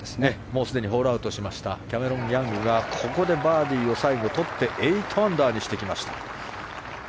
もうすでにホールアウトしたキャメロン・ヤングがここでバーディーを最後とって８アンダーにしてきました。